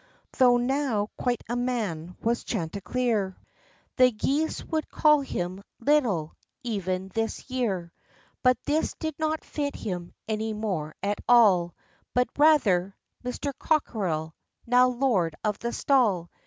Though now quite a man was Chanticleer, The geese would call him "little," even this year; But this did not fit him any more at all; But rather, " Mr. Cockerel," — now lord of the stall.